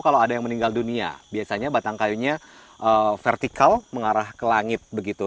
kalau ada yang meninggal dunia biasanya batang kayunya vertikal mengarah ke langit begitu